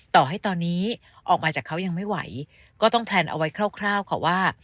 ต่อให้ตอนนี้ออกมาจากเขายังไม่ไหวก็ต้องแพลนเอาไว้คร่าวค่ะว่า